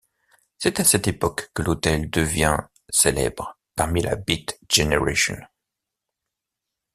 C'est à cette époque que l'hôtel devient célèbre parmi la Beat generation.